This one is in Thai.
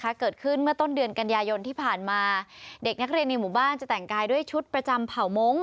เกิดขึ้นเมื่อต้นเดือนกันยายนที่ผ่านมาเด็กนักเรียนในหมู่บ้านจะแต่งกายด้วยชุดประจำเผ่ามงค